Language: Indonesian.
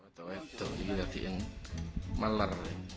itu ini dilihatin malar